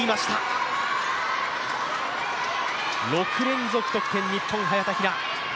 ６連続得点日本、早田ひな。